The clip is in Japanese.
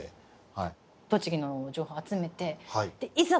栃木の情報集めていざ